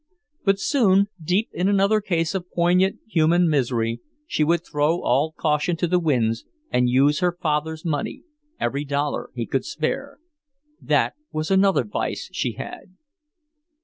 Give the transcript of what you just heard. But soon, deep in another case of poignant human misery, she would throw all caution to the winds and use her father's money every dollar he could spare. That was another vice she had.